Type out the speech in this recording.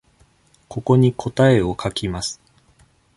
ここに答えを書きます。